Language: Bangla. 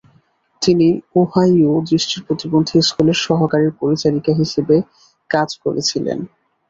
তিনি ওহাইও দৃষ্টিপ্রতিবন্ধী স্কুলের সহকারী পরিচারিকা হিসাবে কাজ করেছিলেন।